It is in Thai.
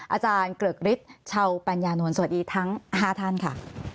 อาจารย์เกริกฤทธิ์ชาวปัญญานวลสวัสดีทั้ง๕ท่านค่ะ